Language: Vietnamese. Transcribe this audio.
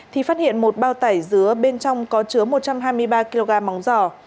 thì phát hiện một bao tải dứa bên trong có chứa một trăm hai mươi ba kg móng giò